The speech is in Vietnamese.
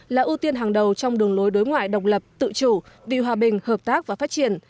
là ưu tiên hàng đầu trong đường lối đối ngoại độc lập tự chủ vì hòa bình hợp tác và phát triển